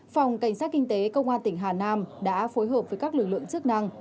phòng cảnh sát kinh tế công an tỉnh hà nam đã phối hợp với các lực lượng chức năng